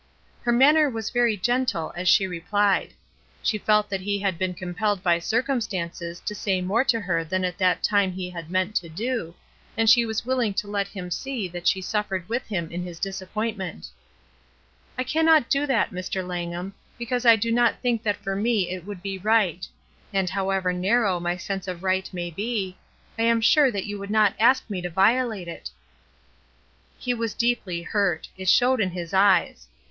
Her manner was very gentle as she replied. She felt that he had been compelled by cir cumstances to say more to her than at that time he had meant to do, and she was willing to let him see that she suffered with him in his disappointment. "I cannot do that, Mr. Langham, because I do not thmk that for me it would be right; and however narrow my sense of right may be, I am sure that you would not ask me to violate it." 233 234 ESTER RIED'S NAMESAKE He was deeply hurt ; it showed in his eyes.